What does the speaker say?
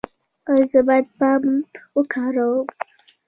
ایا زه باید پمپ وکاروم؟